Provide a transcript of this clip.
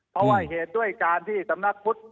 เพราะว่าเหตุด้วยการที่สำนักพุทธ